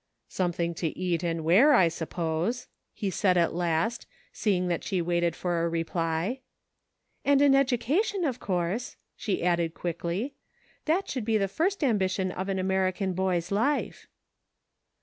" Something to eat and wear, I suppose," he said at last, seeing that she waited for a reply. "And an education, of course," she said quickly. ENERGY AND FORCE. 121 "That should be the first ambition of an Ameri can boy's life."